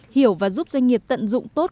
hiểu và giúp doanh nghiệp tận dụng tốt